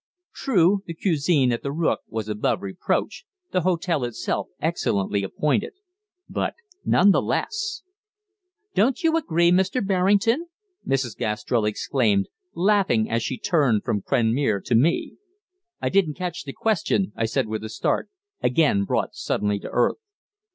True, the cuisine at "The Rook" was above reproach, the hotel itself excellently appointed, but none the less "Don't you agree, Mr. Berrington?" Mrs. Gastrell exclaimed, laughing as she turned from Cranmere to me. "I didn't catch the question," I said with a start, again brought suddenly to earth.